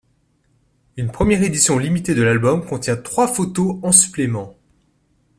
Une première édition limitée de l'album contient trois photos en supplément.